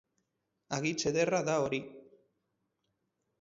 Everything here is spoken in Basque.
Hagitz ederra da hori